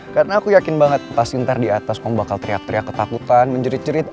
karena aku yakin banget pas ntar diatas kamu bakal teriak teriak ketakutan menjerit jerit